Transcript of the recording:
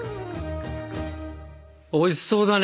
おいしそうだね。